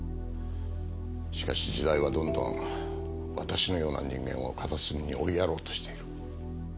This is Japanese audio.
しかし時代はどんどん私のような人間を片隅に追いやろうとしている。